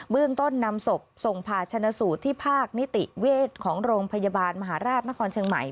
เรื่องต้นนำศพส่งผ่าชนะสูตรที่ภาคนิติเวชของโรงพยาบาลมหาราชนครเชียงใหม่